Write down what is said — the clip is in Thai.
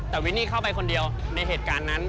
แต่วินนี่เข้าไปคนเดียวในเหตุการณ์นั้น